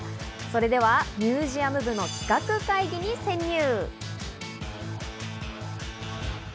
それではミュージアム部の企画会議に潜入。